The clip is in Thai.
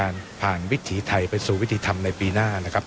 ผ่านวิถีไทยไปสู่วิธีธรรมในปีหน้านะครับ